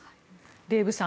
デーブさん